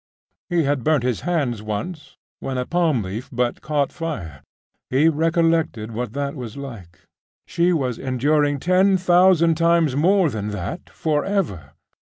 He had burnt his hands once, when a palm leaf but caught fire.... He recollected what that was like.... She was enduring ten thousand times more than that for ever.